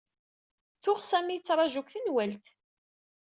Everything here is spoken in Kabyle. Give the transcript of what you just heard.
Tuɣ Sami yettraju deg tenwalt.